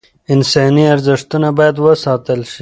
انساني ارزښتونه باید وساتل شي.